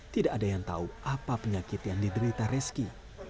tidak ada yang tahu apa penyakit yang diderita reski